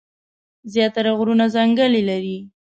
زيات تره غرونه ځنګلې لري ـ